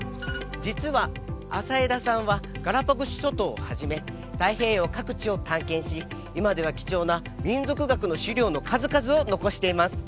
実は朝枝さんはガラパゴス諸島をはじめ太平洋各地を探検し今では貴重な民族学の資料の数々を残しています